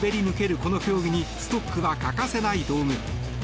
ぬけるこの競技にストックは欠かせない道具。